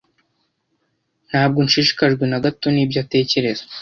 Ntabwo nshishikajwe na gato nibyo atekereza.